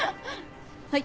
はい。